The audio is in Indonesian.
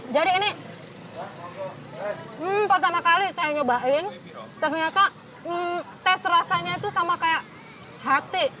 jadi ini pertama kali saya nyobain ternyata tes rasanya itu sama kayak hati